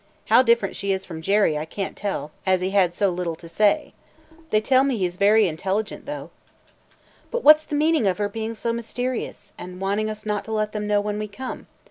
How different she is from Jerry I can't tell, as he had so little to say. They tell me he 's very intelligent, though." "But what 's the meaning of her being so mysterious – and wanting us not to let them know when we come?